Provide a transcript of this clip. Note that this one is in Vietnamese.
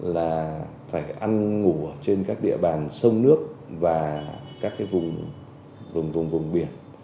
là phải ăn ngủ trên các địa bàn sông nước và các cái vùng vùng biển